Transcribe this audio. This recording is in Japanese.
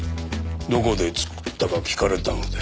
どこで作ったか訊かれたので。